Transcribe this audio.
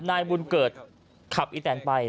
นายบุญเกิดขับอีแตนไป